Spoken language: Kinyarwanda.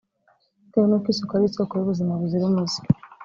Bitewe n'uko isuku ari isoko y'ubuzima buzira umuze